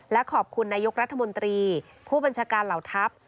และขอบคุณนายกรัฐมนตรีผู้บัญชาการเหล่าทัพ